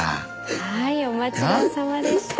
はいお待ちどおさまでした。